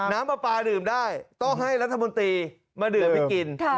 น้ำปลาปลาดื่มได้ต้องให้รัฐมนตรีมาดื่มไปกิน